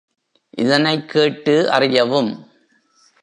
இதனைக் கேட்டு அறியவும்.